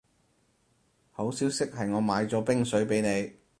好消息係我買咗冰水畀你